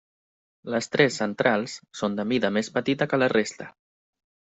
Les tres centrals són de mida més petita que la resta.